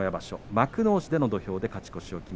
幕内での土俵で勝ち越しました。